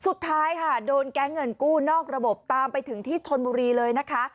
สุดท้ายค่ะโดนแก๊งเงินกู้นอกระบบตามไปถึงที่ชนบุรีเลยนะคะ